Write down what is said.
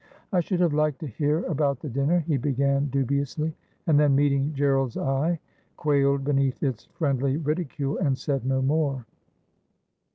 ' I should have liked to hear about the dinner,' he began dubiously ; and then meeting Gerald's eye, quailed beneath its friendly ridicule, and said no more.